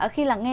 khi là nghe